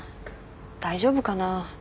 大丈夫かな？